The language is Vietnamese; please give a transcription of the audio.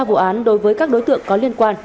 vụ án đối với các đối tượng có liên quan